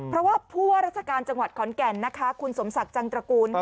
เพราะว่าผู้ว่าราชการจังหวัดขอนแก่นนะคะคุณสมศักดิ์จังตระกูล